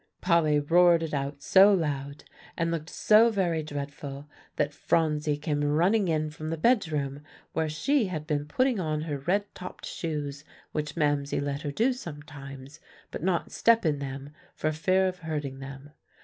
'" Polly roared it out so loud, and looked so very dreadful, that Phronsie came running in from the bedroom where she had been putting on her red topped shoes which Mamsie let her do sometimes, but not step in them for fear of hurting them.